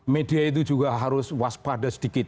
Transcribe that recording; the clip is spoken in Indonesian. media itu juga harus waspada sedikit